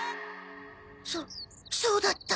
そそうだった。